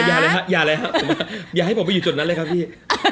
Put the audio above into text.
อย่าเลยครับอย่าให้ผมไปอยู่จุดนั้นเลยครับพี่